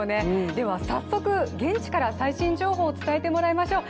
では早速、現地から最新情報を伝えてもらいましょう。